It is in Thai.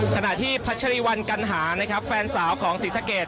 ขณะที่พัชรีวันกันหาแฟนสาวของศรีสะเกียจ